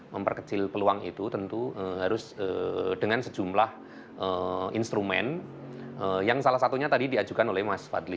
memperkecil peluang itu tentu harus dengan sejumlah instrumen yang salah satunya tadi diajukan oleh mas fadli